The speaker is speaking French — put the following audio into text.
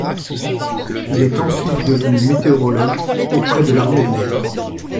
Il est ensuite devenu météorologue auprès de l'armée de l'air.